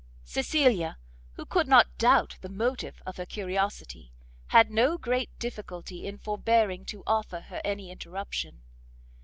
Cecilia, who could not doubt the motive of her curiosity, had no great difficulty in forbearing to offer her any interruption.